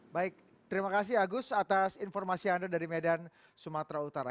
baik terima kasih agus atas informasi anda dari medan sumatera utara